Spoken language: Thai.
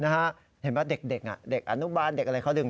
เห็นไหมเด็กเด็กอนุบาลเด็กอะไรเขาดึง